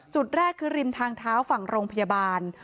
จุดแรกคือริมทางเท้าฝั่งโรงพยาบาล